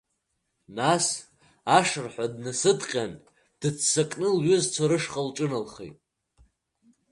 Нас, ашырҳәа днасыдҟьан, дыццакны лҩызцәа рышҟа лҿыналхеит.